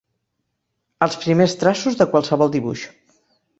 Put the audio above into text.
Els primers traços de qualsevol dibuix.